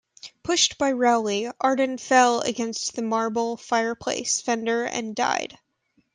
Pushed by Rowley, Arden fell against the marble fireplace fender and died.